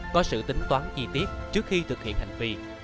có sự tính toán chi tiết trước khi thực hiện hành vi